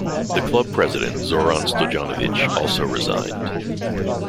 The club president Zoran Stojanovic also resigned.